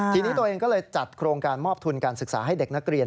ทีนี้ตัวเองก็เลยจัดโครงการมอบทุนการศึกษาให้เด็กนักเรียน